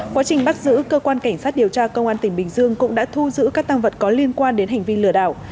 quá trình bắt giữ cơ quan cảnh sát điều tra công an tỉnh bình dương cũng đã thu giữ các tăng vật có liên quan đến hành vi lừa đảo